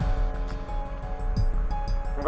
gua salah banget